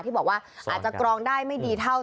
ที่บอกว่าอาจจะกรองได้ไม่ดีเท่า